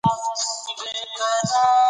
طبیعت د بې غایه سخاوت او بښنې یو غوره مثال دی.